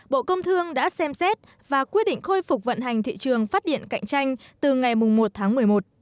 bộ công thương đã xem xét và quyết định khôi phục vận hành thị trường phát điện cạnh tranh từ ngày một tháng một mươi một